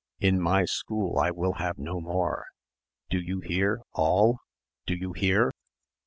In my school I will have no more.... Do you hear, all? Do you hear?"